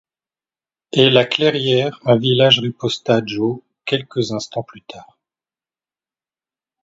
Et la clairière un village, riposta Joe, quelques instants plus tard.